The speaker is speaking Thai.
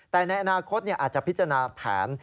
แต่ในอนาคตอาจจะพิจารณาแผน